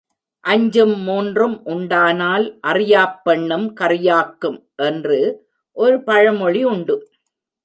அஞ்சும் மூன்றும் உண்டானால் அறியாப் பெண்ணும் கறியாக்கும் என்று ஒரு பழமொழி உண்டு.